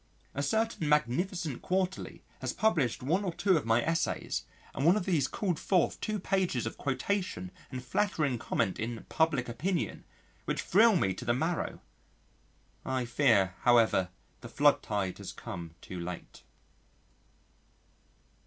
A certain magnificent quarterly has published one or two of my essays, and one of these called forth two pages of quotation and flattering comment in Public Opinion, which thrill me to the marrow. I fear, however, the flood tide has come too late.